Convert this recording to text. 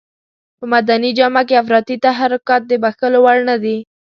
په مدني جامه کې افراطي تحرکات د بښلو وړ نه دي.